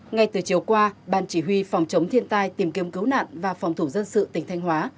ngay từ chiều qua ban chỉ huy phòng chống thiên tai tìm kiếm cứu nạn và phòng thủ dân sự tỉnh thanh hóa